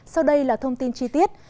sau đây là thông tin chi tiết